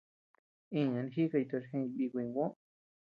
Iñan jíkay tochi jeʼeñ bíku jinguö.